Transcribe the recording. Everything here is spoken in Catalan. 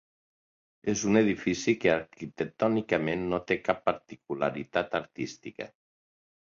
És un edifici que arquitectònicament no té cap particularitat artística.